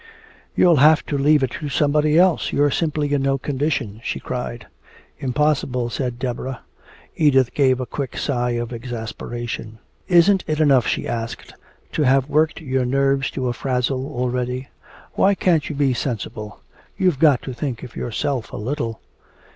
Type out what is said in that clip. "You'll have to leave it to somebody else! You're simply in no condition!" she cried. "Impossible," said Deborah. Edith gave a quick sigh of exasperation. "Isn't it enough," she asked, "to have worked your nerves to a frazzle already? Why can't you be sensible? You've got to think of yourself a little!"